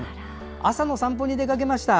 朝の散歩に出かけました。